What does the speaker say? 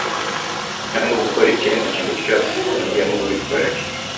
cyangwa gukora ikindi kintu cyose, mujye mubikorera